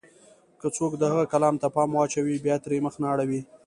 که څوک د هغه کلام ته پام واچوي، بيا ترې مخ نه اړوي.